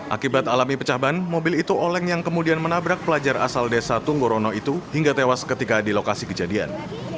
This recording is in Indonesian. akibat alami pecah ban mobil itu oleng yang kemudian menabrak pelajar asal desa tunggorono itu hingga tewas ketika di lokasi kejadian